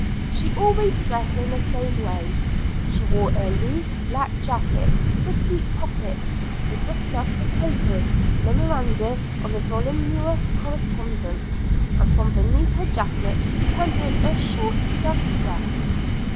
She always dressed in the same way: she wore a loose black jacket, with deep pockets, which were stuffed with papers, memoranda of a voluminous correspondence; and from beneath her jacket depended a short stuff dress.